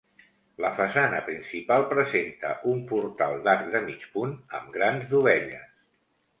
La façana principal presenta un portal d'arc de mig punt amb grans dovelles.